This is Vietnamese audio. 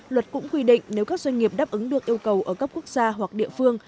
luật cũng quy định nếu các doanh nghiệp đáp ứng được yêu cầu ở cấp quốc gia hoặc địa phương